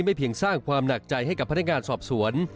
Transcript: ไม่เพียงสร้างความหนักใจให้กับพนักงานสอบสวน